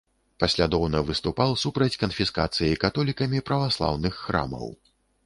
Паслядоўна выступаў супраць канфіскацыі католікамі праваслаўных храмаў.